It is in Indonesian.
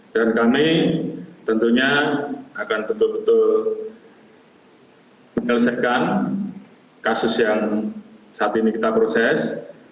dan kami tentunya akan betul betul menyelesaikan kasus yang saat ini kita proses